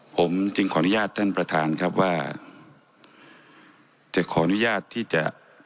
ผมจึงขออนุญาตท่านประธานครับว่าจะขออนุญาตที่จะ